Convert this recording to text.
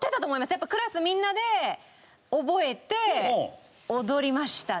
やっぱクラスみんなで覚えて踊りましたね。